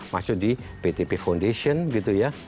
masuk di ptp foundation gitu ya